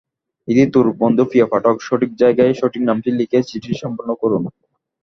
ইতি তোর বন্ধুপ্রিয় পাঠক, সঠিক জায়গায় সঠিক নামটি লিখে চিঠিটি সম্পূর্ণ করুন।